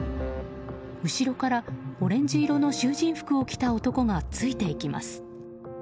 後ろからオレンジ色の囚人服を着た男がついていきます。